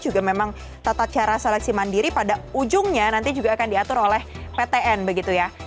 juga memang tata cara seleksi mandiri pada ujungnya nanti juga akan diatur oleh ptn begitu ya